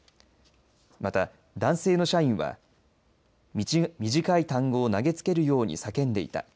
また、男性の社員は短い単語を投げつけるように叫んでいた。